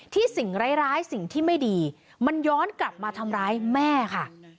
สิ่งร้ายสิ่งที่ไม่ดีมันย้อนกลับมาทำร้ายแม่ค่ะ